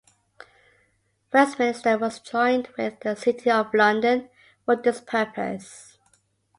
Westminster was joined with the City of London for this purpose.